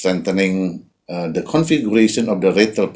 memperkuat konfigurasi sistem uang